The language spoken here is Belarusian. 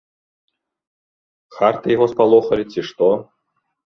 Харты яго спалохалі, ці што?